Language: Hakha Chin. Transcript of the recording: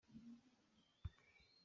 Kan inntung an muat dih.